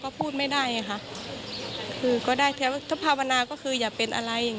ก็ไม่อยากให้มันเกิดขึ้นกับครอบครัวคนอื่น